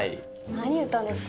何言ったんですか？